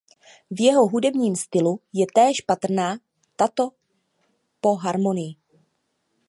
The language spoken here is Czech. V jeho hudebním stylu je též patrná tato po harmonii.